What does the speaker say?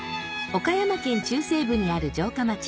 岡山県中西部にある城下町